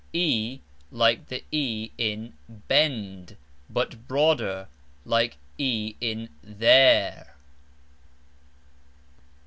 e like E in bEnd, but broader, like E in thEre.